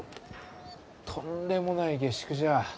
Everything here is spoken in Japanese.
とんでもない下宿じゃ。